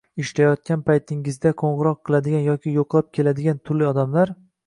ishlayotgan paytingda qoʻngʻiroq qiladigan yoki yoʻqlab keladigan turli odamlar